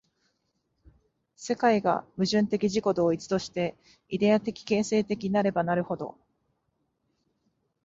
世界が矛盾的自己同一として、イデヤ的形成的なればなるほど、